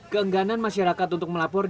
keengganan masyarakat untuk melaporkan